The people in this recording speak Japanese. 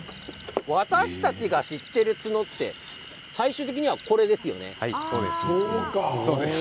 私たちが知っている角って最終的にはこれですよね。